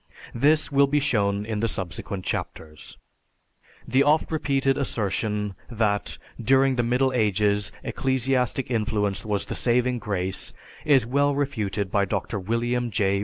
This will be shown in the subsequent chapters. The oft repeated assertion that, during the Middle Ages, ecclesiastic influence was the saving grace is well refuted by Dr. William J.